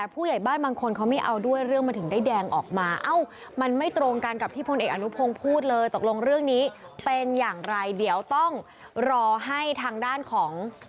เป็นอย่างไรเดี๋ยวต้องรอให้ทางด้านของ